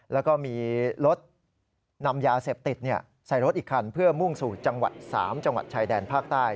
แล้วก็มีรถนำยาเสพติดใส่รถอีกคันเพื่อมุ่งสู่จังหวัด๓จังหวัดชายแดนภาคใต้